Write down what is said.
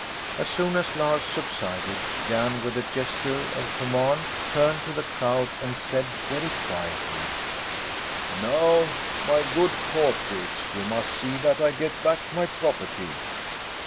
As soon as Lars subsided, Jan, with a gesture of command, turned to the crowd, and said very quietly: "Now, my good Courtiers, you must see that I get back my property."